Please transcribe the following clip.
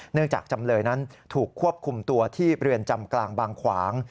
จากจำเลยนั้นถูกควบคุมตัวที่เรือนจำกลางบางขวาง